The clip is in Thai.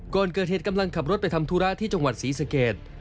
ก่อนเกิดเหตุกำลังขับรถไปทำธุระที่จังหวัดศรีสเกต